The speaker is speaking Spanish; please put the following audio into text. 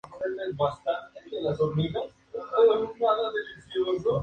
Su tesis estudió la maduración y dispersión de los babuinos machos.